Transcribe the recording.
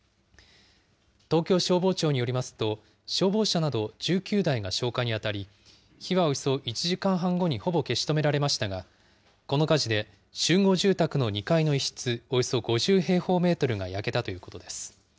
東京消防庁によりますと、消防車など１９台が消火に当たり、火はおよそ１時間半後にほぼ消し止められましたが、この火事で、集合住宅の２階の一室、およそ５０平方メートルが焼けたということです。